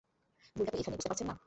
ভুলটা তো এখানেই, বুঝতে পারছেন না?